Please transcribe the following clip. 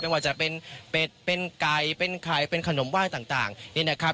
ว่าจะเป็นเป็ดเป็นไก่เป็นไข่เป็นขนมไหว้ต่างนี่นะครับ